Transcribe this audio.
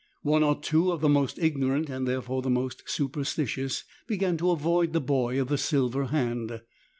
One or two of the most ignorant, and therefore the most superstitious, began to avoid the boy of the silver hand.